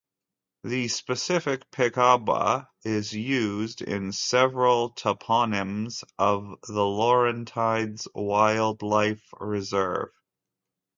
The specific "Pikauba" is used in several toponyms of the Laurentides Wildlife Reserve.